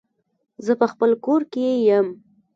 زه په خپل کور کې يم